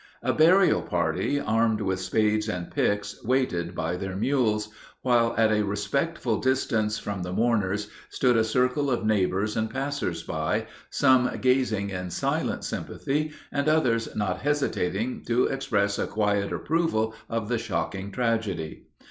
A burial party, armed with spades and picks, waited by their mules, while at a respectful distance from the mourners stood a circle of neighbors and passers by, some gazing in silent sympathy, and others not hesitating to express a quiet approval of the shocking tragedy.